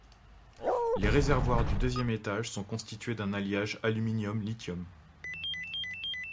Les réservoirs du deuxième étage sont constitués d'un alliage aluminium-lithium.